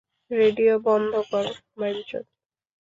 Radio বন্ধ কর, বাইঞ্চোদ!